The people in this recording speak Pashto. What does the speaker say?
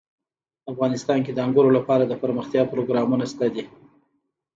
افغانستان کې د انګورو لپاره دپرمختیا پروګرامونه شته دي.